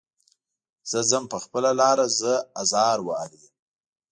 زه ځم په خپله لاره زه ازار وهلی یم.